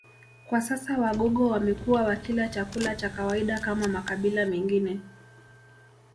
Kwa sasa Wagogo wamekuwa wakila chakula cha kawaida kama makabila mengine